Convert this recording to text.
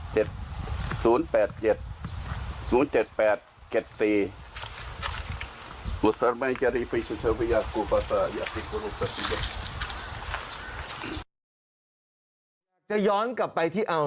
จะย้อนกลับไปที่อาจารย์โอ้โหอาจารย์หยดสวยป่ะโอ้โหอะไรจะขนาดนั้น